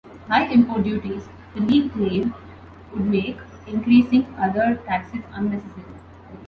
High import duties, the League claimed, would make increasing other taxes unnecessary.